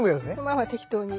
まあまあ適当に。